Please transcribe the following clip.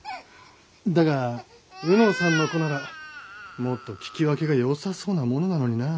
だが卯之さんの子ならもっと聞き分けが良さそうなものなのになあ。